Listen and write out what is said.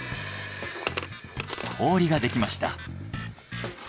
氷ができました。